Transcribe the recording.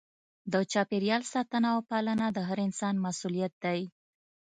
د چاپیریال ساتنه او پالنه د هر انسان مسؤلیت دی.